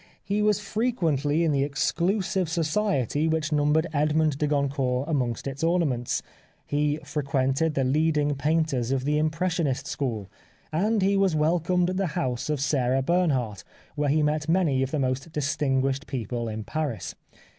He was frequently in the ex clusive society which numbered Edmond de Goncourt amongst its ornaments ; he frequented the leading painters of the impressionist school ; and he was welcomed at the house of Sarah Bernhardt where he met many of the most distinguished people in Paris.